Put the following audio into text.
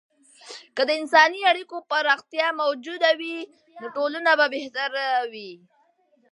که د انساني اړیکو پراختیا موجوده وي، نو ټولنه به بهتره وي.